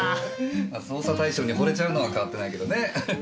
捜査対象に惚れちゃうのは変わってないけどね。